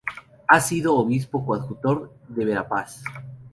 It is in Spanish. Ha sido Obispo coadjutor de Verapaz.